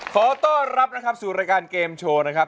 ขอต้อนรับนะครับสู่รายการเกมโชว์นะครับ